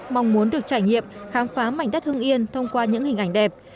mong muốn được trải nghiệm khám phá mảnh đất hưng yên thông qua những hình ảnh đẹp